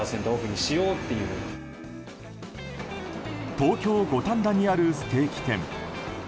東京・五反田にあるステーキ店。